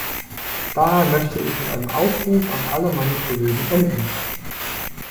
Daher möchte ich mit einem Aufruf an alle meine Kollegen enden.